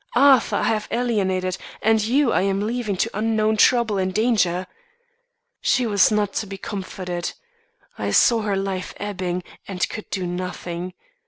'Arthur, I have alienated, and you I am leaving to unknown trouble and danger,' "She was not to be comforted. I saw her life ebbing and could do nothing.